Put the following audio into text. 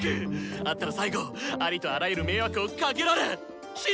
会ったら最後ありとあらゆる迷惑をかけられ死ぬ！